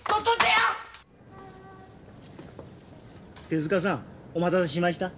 手塚さん！お待たせしました。